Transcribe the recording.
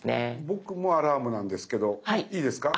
僕もアラームなんですけどいいですか。